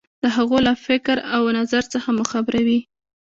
د هغو له فکر او نظر څخه مو خبروي.